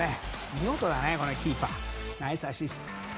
見事だね、キーパーナイスアシスト。